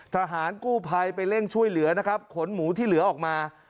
ทหารกู้ภัยไปเร่งช่วยเหลือนะครับขนหมูที่เหลือออกมา